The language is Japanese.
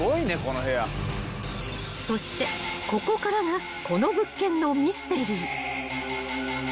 ［そしてここからがこの物件のミステリー］